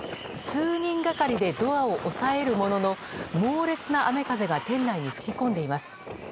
数人がかりでドアを押さえるものの猛烈な雨風が店内に吹き込んでいます。